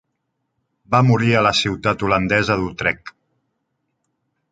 Va morir a la ciutat holandesa d'Utrecht.